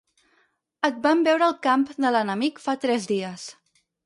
Et van veure al camp de l'enemic fa tres dies.